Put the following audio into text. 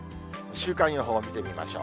週間予報を見てみましょう。